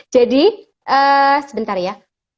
jadi sebentar ya